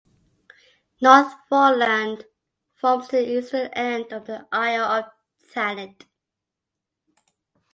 North Foreland forms the eastern end of the Isle of Thanet.